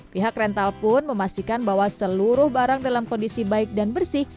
pihak rental pun memastikan bahwa seluruh barang dalam kondisi baik dan bersih